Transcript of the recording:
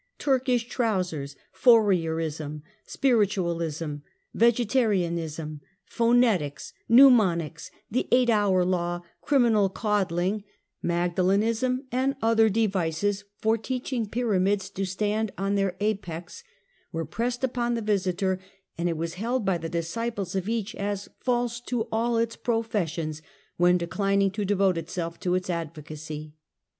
Turkish trowsers, Fourierism, Spiritualism, Vegetarianism, Phonetics, Pneumonics, the Eight Hour Law, Criminal Candling, Magdalenism, and oth er devices for teaching pyramids to stand on their apex were pressed upon the Visiter, and it was held by the disciples of each as " false to all its professions," when declining to devote itself to its advocacy.